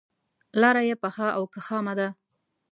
لاره یې پخه او که خامه ده.